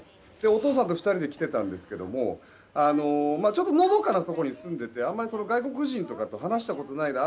お父さんと２人で来ていたんですけどのどかなところに住んでいてあまり外国人と話したことがないと。